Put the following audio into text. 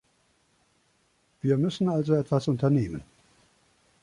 Wir müssen also etwas unternehmen.